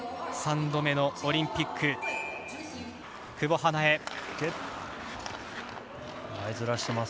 ３度目のオリンピック久保英恵。